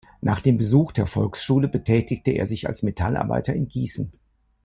Nach dem Besuch der Volksschule betätigte er sich als Metallarbeiter in Gießen.